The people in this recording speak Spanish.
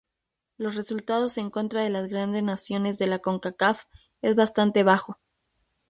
Los resultados en contra de las grandes naciones de la Concacaf es bastante bajo.